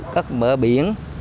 các bờ biển